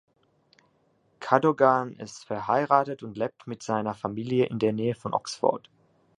Cadogan ist verheiratet und lebt mit seiner Familie in der Nähe von Oxford.